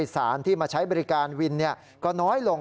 สารที่มาใช้บริการวินก็น้อยลง